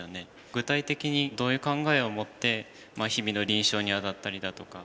具体的にどういう考えを持って日々の臨床にあたったりだとか。